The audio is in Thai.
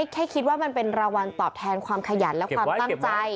แค่คิดว่ามันเป็นรางวัลตอบแทนความขยันและความตั้งใจ